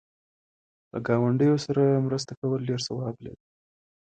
له گاونډیو سره مرسته کول ډېر ثواب لري.